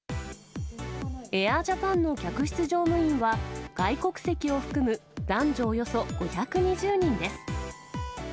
ＡｉｒＪａｐａｎの客室乗務員は、外国籍を含む男女およそ５２０人です。